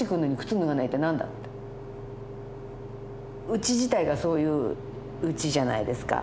うち自体がそういううちじゃないですか。